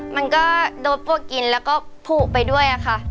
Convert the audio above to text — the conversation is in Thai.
มันก็โดนพวกกินแล้วก็ผูกไปด้วยค่ะ